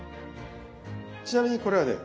ちなみにこれはね